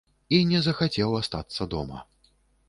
І не захацеў астацца дома.